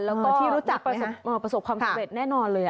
แล้วก็ที่รู้จักประสบความสำเร็จแน่นอนเลย